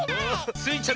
スイちゃん